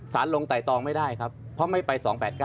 สารลงไต่ตองไม่ได้ครับเพราะไม่ไป๒๘๙